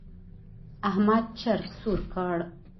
احمد چرګ سور کړ.